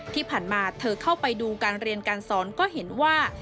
ที่ผ่านมาเธอเข้าไปดูการเรียนการสอนก็เห็นว่า